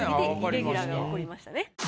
イレギュラーが起こりましたね。